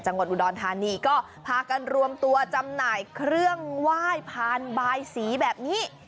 จังหวัดอุดรธานีก็พากันรวมตัวจำหน่ายเครื่องไหว้พานบายสีแบบนี้